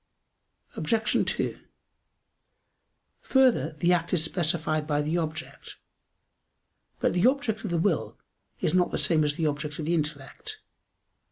Obj. 2: Further, the act is specified by the object. But the object of the will is not the same as the object of the intellect.